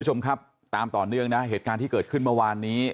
คุณผู้ชมครับตามต่อเนื่องนะเหตุการณ์ที่เกิดขึ้นเมื่อวานนี้